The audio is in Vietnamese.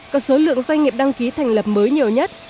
có số lượng doanh nghiệp đăng ký thành lập mới nhiều nhất